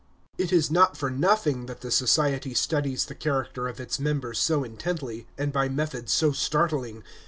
It is not for nothing that the Society studies the character of its members so intently, and by methods so startling.